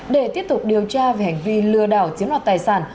để tiếp tục điều tra về hành vi lừa đảo chiếm đoạt tài sản